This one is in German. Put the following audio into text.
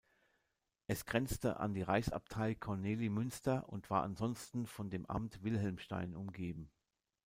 Es grenzte an die Reichsabtei Kornelimünster und war ansonsten von dem Amt Wilhelmstein umgeben.